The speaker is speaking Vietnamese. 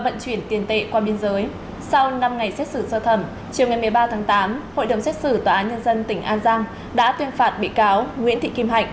liên quan đến vụ buôn lậu gần năm mươi một kg vàng và vận chuyển tiền tệ qua biên giới sau năm ngày xét xử sơ thẩm chiều ngày một mươi ba tháng tám hội đồng xét xử tòa án nhân dân tỉnh an giang đã tuyên phạt bị cáo nguyễn thị kim hạnh